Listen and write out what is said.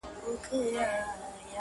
چي مرور نه یم، چي در پُخلا سم تاته.